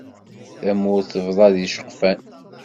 Tamurt tebḍa d iceqfan.